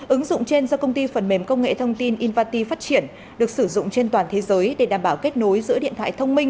ứng dụng trên do công ty phần mềm công nghệ thông tin invati phát triển được sử dụng trên toàn thế giới để đảm bảo kết nối giữa điện thoại thông minh